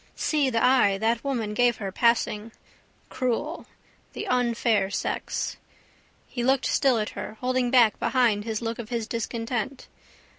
See the eye that woman gave her, passing. Cruel. The unfair sex. He looked still at her, holding back behind his look his discontent.